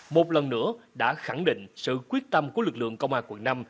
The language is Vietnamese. một lần nữa đã khẳng định sự quyết tâm của lực lượng công an quận năm